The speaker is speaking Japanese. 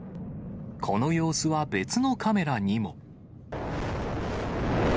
この様子は別のカメラにも。